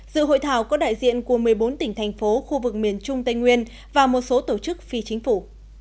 dự hội thảo có đại diện của một mươi bốn tỉnh thành phố khu vực miền trung tây nguyên và một số tổ chức phi chính phủ